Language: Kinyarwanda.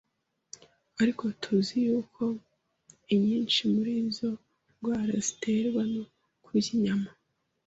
Ariko tuzi yuko inyinshi muri izo ndwara ziterwa no kurya inyama.